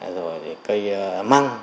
rồi thì cây măng